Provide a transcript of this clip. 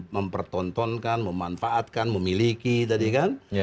mempertontonkan memanfaatkan memiliki tadi kan